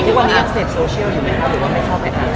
วันนี้ยังเสร็จโซเชียลอยู่ไหมครับหรือว่าไม่เข้าไปอ่ะ